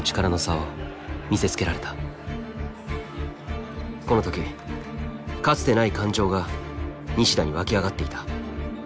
この時かつてない感情が西田に沸き上がっていた。